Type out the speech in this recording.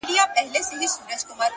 نظم د بریالیتوب خاموش ځواک دی.!